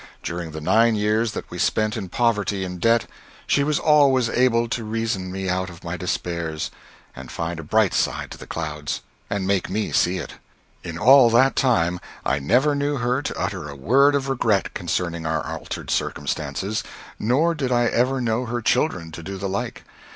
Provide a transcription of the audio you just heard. During the nine years that we spent in poverty and debt, she was always able to reason me out of my despairs, and find a bright side to the clouds, and make me see it. In all that time, I never knew her to utter a word of regret concerning our altered circumstances, nor did I ever know her children to do the like.